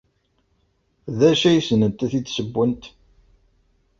D acu ay ssnent ad t-id-ssewwent?